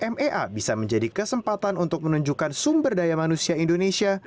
mea bisa menjadi kesempatan untuk menunjukkan sumber daya manusia indonesia